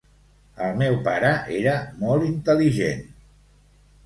El meu pare era molt intel·ligent.